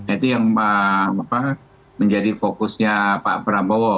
itu yang menjadi fokusnya pak prabowo